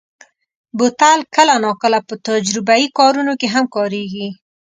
بوتل کله ناکله په تجربهيي کارونو کې هم کارېږي.